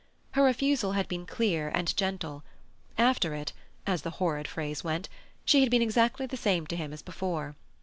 Her refusal had been clear and gentle; after it—as the horrid phrase went—she had been exactly the same to him as before.